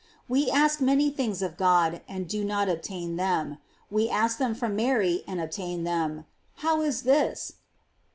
We ask many things of God and do not obtain them; we ask the;n from Mary and obtain them; how is this?